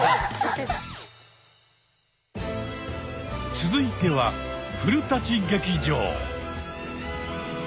続いては古劇場。